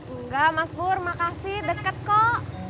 enggak mas bur makasih deket kok